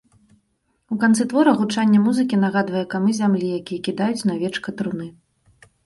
У канцы твора гучанне музыкі нагадвае камы зямлі, якія кідаюць на вечка труны.